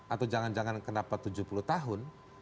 atau jangan jangan kenapa tujuh puluh tahun